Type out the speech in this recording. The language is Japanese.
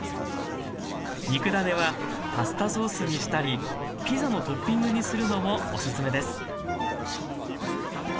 肉ダネはパスタソースにしたりピザのトッピングにするのもおすすめです